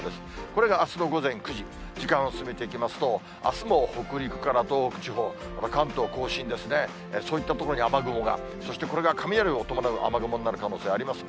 これがあすの午前９時、時間を進めていきますと、あすも北陸から東北地方、また関東甲信ですね、そういった所に雨雲が、そしてこれが雷を伴う雨雲になる可能性があります。